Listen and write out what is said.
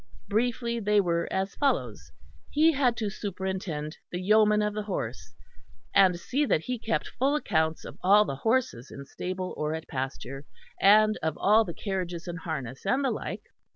Briefly, they were as follows He had to superintend the Yeoman of the Horse, and see that he kept full accounts of all the horses in stable or at pasture, and of all the carriages and harness and the like.